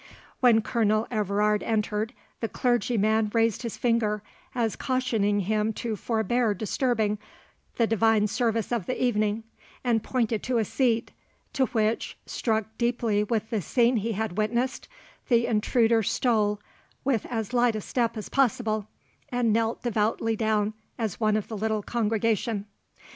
When Colonel Everard entered, the clergyman raised his finger, as cautioning him to forbear disturbing the divine service of the evening, and pointed to a seat; to which, struck deeply with the scene he had witnessed, the intruder stole with as light a step as possible, and knelt devoutly down as one of the little congregation.